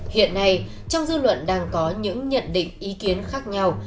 hiện nay trong dư luận đang có những nhận định ý kiến khác nhau